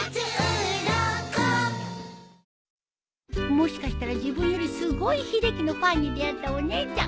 もしかしたら自分よりすごい秀樹のファンに出会ったお姉ちゃん。